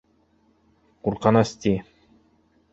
Ҡурҡыныс, ти.